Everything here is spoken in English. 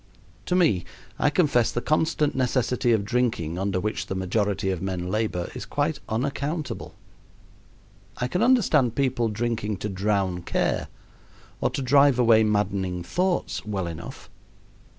To me, I confess the constant necessity of drinking under which the majority of men labor is quite unaccountable. I can understand people drinking to drown care or to drive away maddening thoughts well enough.